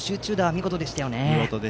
見事でしたね。